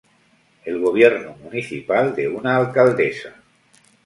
El gobierno municipal de una alcaldesa.